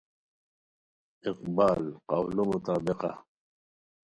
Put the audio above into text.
اقبالؒ قولو مطابقہ: